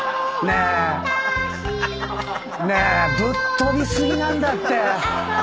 ねえぶっ飛び過ぎなんだって。